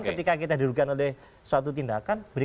ketika kita dirugikan oleh suatu tindakan